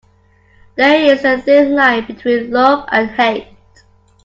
There is a thin line between love and hate.